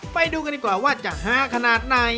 ไปดูกันดีกว่าว่าจะฮาขนาดไหน